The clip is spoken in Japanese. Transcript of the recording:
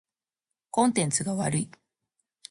コンテンツが悪い。